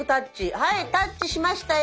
はいタッチしましたよ。